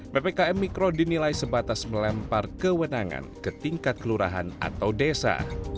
ppkm mikro dinilai sebatas melempar kewenangan ke tingkat kelurahan atau desa